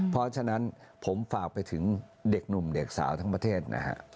เพราะฉะนั้นผมฝากไปถึงเด็กหนุ่มเด็กสาวทั้งประเทศนะฮะ